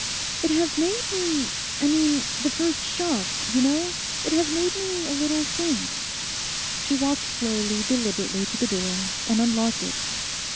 'It has made me—I mean the first shock, you know—it has made me a little faint.' She walked slowly, deliberately to the door, and unlocked it.